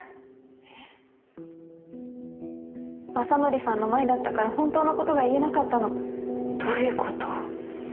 雅紀さんの前だったから本当のことが言えなかったのどういうこと？